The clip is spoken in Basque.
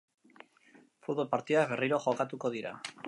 Futbol partidak berriro jokatuko dira.